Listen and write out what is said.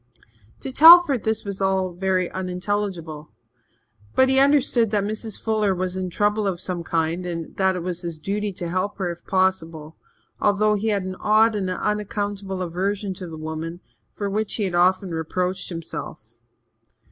To Telford this was all very unintelligible. But he understood that Mrs. Fuller was in trouble of some kind and that it was his duty to help her if possible, although he had an odd and unaccountable aversion to the woman, for which he had often reproached himself.